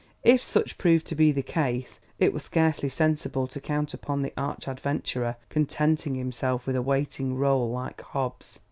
If such proved to be the case, it were scarcely sensible to count upon the arch adventurer contenting himself with a waiting rôle like Hobbs'.